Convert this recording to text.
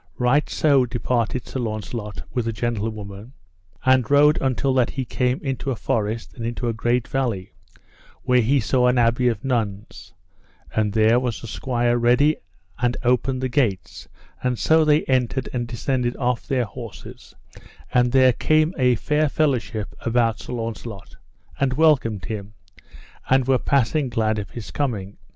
Right so departed Sir Launcelot with the gentlewoman, and rode until that he came into a forest and into a great valley, where they saw an abbey of nuns; and there was a squire ready and opened the gates, and so they entered and descended off their horses; and there came a fair fellowship about Sir Launcelot, and welcomed him, and were passing glad of his coming.